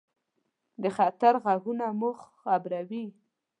د خطر غږونه موږ خبروي.